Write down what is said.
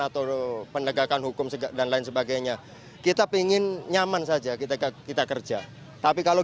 atau penegakan hukum segala dan lain sebagainya kita ingin nyaman saja kita kita kerja tapi kalau